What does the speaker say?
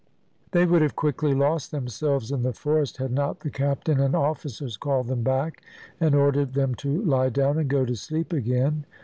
They would have quickly lost themselves in the forest had not the captain and officers called them back, and ordered them to lie down and go to sleep again.